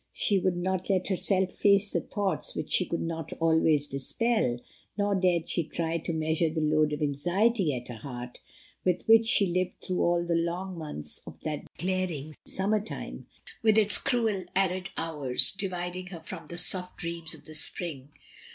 She would not let herself face the thoughts which she could not always dispel, nor dared she try to measure the load of anxiety at her heart, with which she lived through all the long months of that glaring summer time, with its cruel, arid hoius dividing her from the soft dreams of the spring.